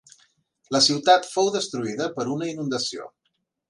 La ciutat fou destruïda per una inundació.